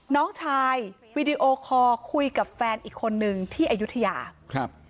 น้องชายวีดีโอคอร์คุยกับแฟนอีกคนนึงที่อายุทยาครับ